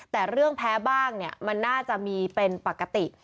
แต่เรื่องแพ้บ้างเนี่ยมันน่าจะมีเป็นปกติ